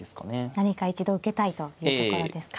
何か一度受けたいというところですか。